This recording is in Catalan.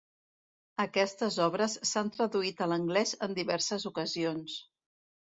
Aquestes obres s'han traduït a l'anglès en diverses ocasions.